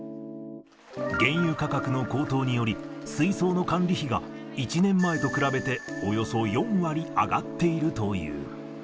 原油価格の高騰により、水槽の管理費が、１年前と比べておよそ４割上がっているという。